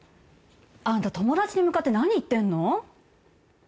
あんた友達に向かって何言ってんの？